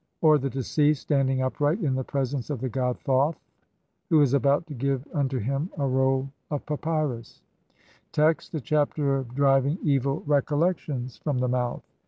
102), or the deceased standing upright in the presence of the god Thoth who is about to give unto him a roll of papyrus (see Lepsius, op. cit., Bl. 33). Text: (1) THE CHAPTER OF DRIVING EVI I. RECOLLECTIONS FROM THE MOUTH.